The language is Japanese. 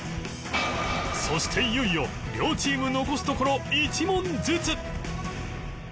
そしていよいよ両チーム残すところ１問ずつ